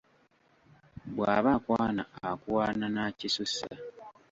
Bw'aba akwana akuwaana n'akisussa.